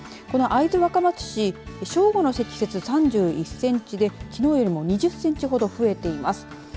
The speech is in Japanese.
この会津若松市正午の積雪、３１センチできのうよりも夜も２０センチほど増えています。